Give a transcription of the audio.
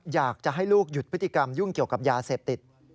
อยากจะให้ลูกหยุดพฤติกรรมยุ่งเกี่ยวกับยาเสพติด